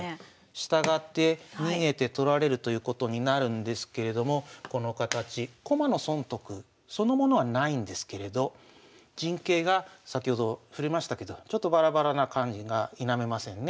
従って逃げて取られるということになるんですけれどもこの形駒の損得そのものはないんですけれど陣形が先ほど触れましたけどちょっとバラバラな感じが否めませんね。